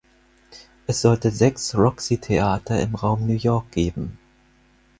Es sollte sechs Roxy-Theater im Raum New York geben.